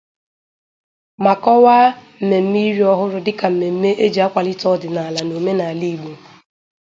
ma kọwaa mmemme iri ọhụrụ dịka mmemme e ji akwalite ọdịnala na omenala Igbo.